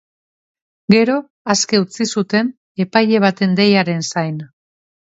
Gero aske utzi zuten epaile baten deiaren zain.